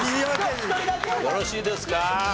よろしいですか？